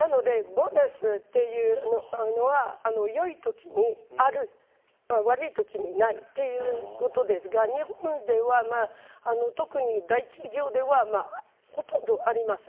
なのでボーナスという単語はよいときにある悪いときにないということですが日本では、特に大企業ではほとんどあります。